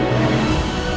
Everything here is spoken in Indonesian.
untuk dirimu sendiri